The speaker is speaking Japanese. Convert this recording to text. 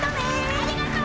ありがとう！